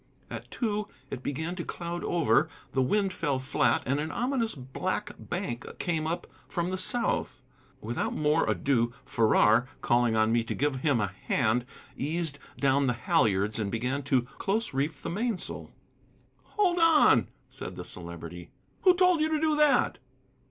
At two it began to cloud over, the wind fell flat, and an ominous black bank came up from the south. Without more ado, Farrar, calling on me to give him a hand, eased down the halliards and began to close reef the mainsail. "Hold on," said the Celebrity, "who told you to do that?"